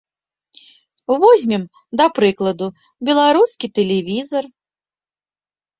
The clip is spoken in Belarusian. Возьмем, да прыкладу, беларускі тэлевізар.